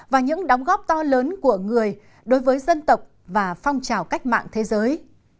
và những đóng góp to lớn của người đối với dân tộc và phong trào cách mạng thế giới